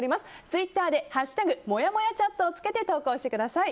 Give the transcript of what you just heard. ツイッターで「＃もやもやチャット」をつけて投稿してください。